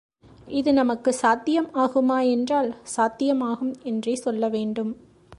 இது நமக்குச் சாத்தியம் ஆகுமா என்றால், சாத்தியம் ஆகும் என்றே சொல்ல வேண்டும்.